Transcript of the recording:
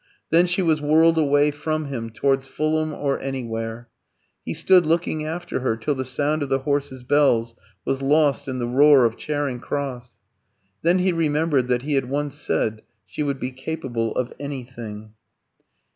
Then she was whirled away from him, towards Fulham or anywhere. He stood looking after her till the sound of the horse's bells was lost in the roar of Charing Cross. Then he remembered that he had once said she would be "capable of anything."